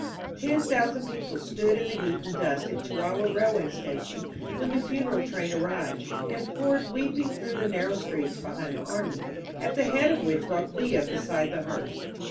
Ten thousand people stood in the heat and dust at Chihuahua railway station when the funeral train arrived, and poured weeping through the narrow streets behind the army, at the head of which walked Villa beside the hearse.